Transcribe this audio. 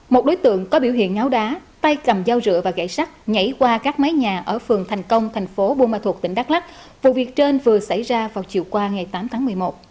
một đối tượng có biểu hiện ngáo đá tay cầm dao rựa và gậy sắt nhảy qua các mái nhà ở phường thành công thành phố bô ma thuộc tỉnh đắk lắc vụ việc trên vừa xảy ra vào chiều qua ngày tám tháng một mươi một